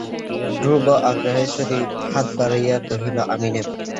ধ্রুব আগ্রহের সহিত হাত বাড়াইয়া কহিল, আমি নেব।